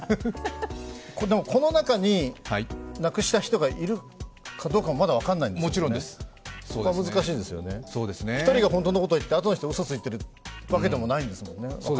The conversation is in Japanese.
この中になくした人がいるかどうかもまだ分からないんですよね、難しいですよね、１人が本当のことを言ってあとの人がうそをついているわけでもないですもんね。